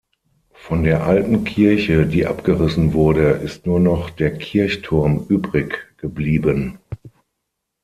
Von der alten Kirche, die abgerissen wurde, ist nur noch der Kirchturm übrig geblieben.